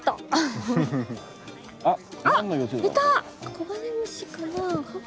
コガネムシかな？